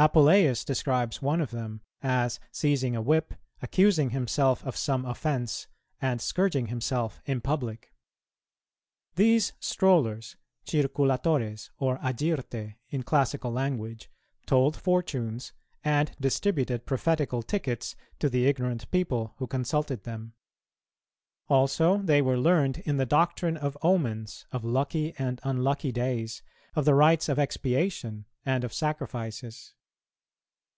Apuleius describes one of them as seizing a whip, accusing himself of some offence, and scourging himself in public. These strollers, circulatores or agyrtæ in classical language, told fortunes, and distributed prophetical tickets to the ignorant people who consulted them. Also, they were learned in the doctrine of omens, of lucky and unlucky days, of the rites of expiation and of sacrifices.